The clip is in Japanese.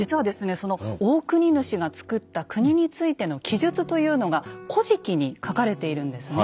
その大国主がつくった国についての記述というのが「古事記」に書かれているんですね。